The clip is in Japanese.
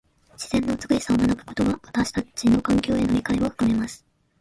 自然の美しさを学ぶことは、私たちの環境への理解を深めます。